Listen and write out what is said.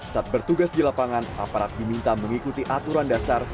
saat bertugas di lapangan aparat diminta mengikuti aturan dasar